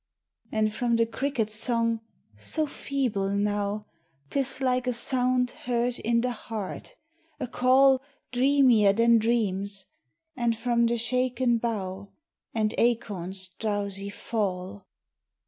And from the cricket's song, so feeble now 'Tis like a sound heard in the heart, a call Dreamier than dreams; and from the shaken bough, And acorns' drowsy fall.